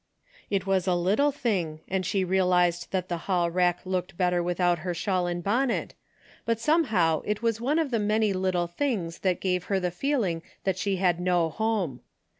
It was a little thing, and she realized that the hall rack looked bet ter without her shawl and bonnet, but some how it was one of the many little things that gave her the feeling that she had no home.